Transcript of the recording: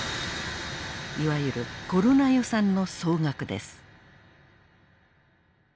いわゆるコロナ予算の総額です。